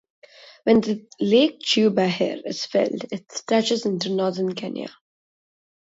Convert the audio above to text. When the Lake Chew Bahir is filled, it stretches into northern Kenya.